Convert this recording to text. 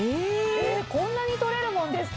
こんなに取れるもんですか。